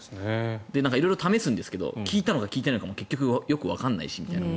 色々試すんですけど効いたのか効いてないのかも結局よくわからないしと。